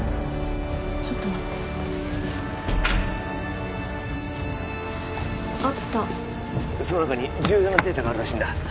ちょっと待ってあったその中に重要なデータがあるらしいんだ